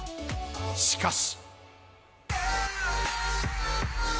しかし。